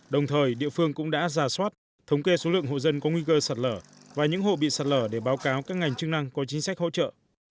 đồng thời địa phương cũng đã giả soát thống kê số lượng hộ dân có nguy cơ sạt lở và những hộ bị sạt lở để báo cáo các ngành chức năng có chính sách hỗ trợ